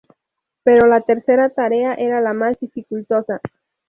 Pero la tercera tarea era la más dificultosa.